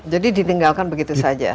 jadi ditinggalkan begitu saja